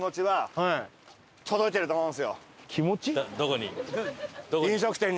どこに？